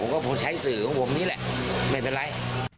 ก็คงใช้สื่อของผมนี่แหละไม่เป็นไร